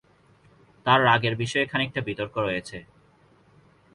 তার রাগের বিষয়ে খানিকটা বিতর্ক রয়েছে।